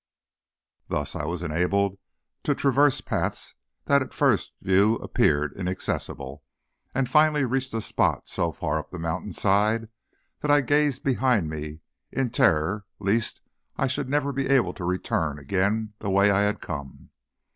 Thus I was enabled to traverse paths that at first view appeared inaccessible, and finally reached a spot so far up the mountain side that I gazed behind me in terror lest I should never be able to return again the way I had come.